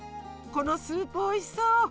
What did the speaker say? このスープおいしそう！